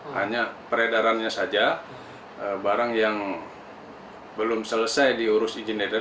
hanya peredarannya saja barang yang belum selesai diurus izin edar